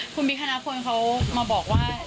คุณบิ๊กธนาคลนเขามาบอกว่า